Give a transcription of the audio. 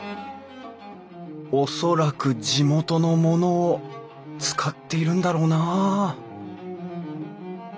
恐らく地元のものを使っているんだろうなあ